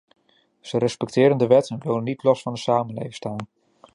Ze respecteren de wet en willen niet los van de samenleving staan.